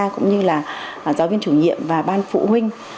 cũng như là giáo viên chủ nhiệm và ban phụ huynh